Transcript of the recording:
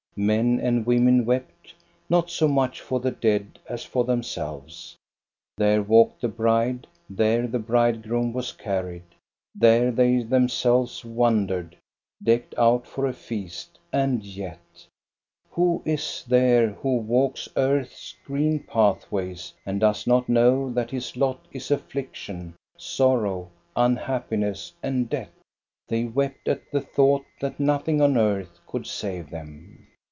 Men and women wept, not so much for the dead, as for themselves. There walked the bride; there the bridegroom was carried ; there they them selves wandered, decked out for a feast, and yet — who is there who walks earth's green pathways and does not know that his lot is affliction, sorrow, un happiness, and death. They wept at the thought that nothing on earth could save them.